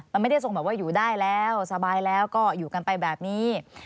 มันไม่ได้ทรงแบบว่าอยู่ได้แล้วสบายแล้วก็อยู่กันไปแบบนี้